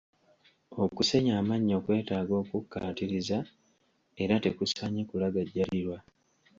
Okusenya amannyo kwetaaga okukkaatiriza, era tekusaanye kulagajjalirwa.